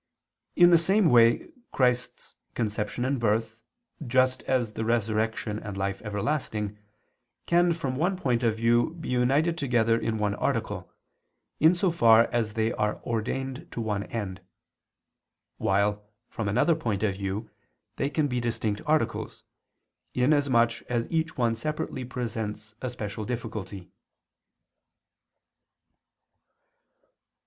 In the same way Christ's conception and birth, just as the resurrection and life everlasting, can from one point of view be united together in one article, in so far as they are ordained to one end; while, from another point of view, they can be distinct articles, in as much as each one separately presents a special difficulty.